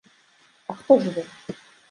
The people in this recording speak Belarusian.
А хто ж вы?